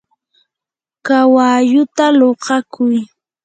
kawalluta luqakuy.